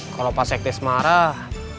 kalau pak sekdes marah